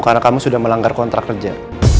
karena kamu sudah melanggar kontrak kerja